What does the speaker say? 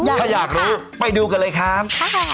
ถ้าอยากรู้ไปดูกันเลยครับ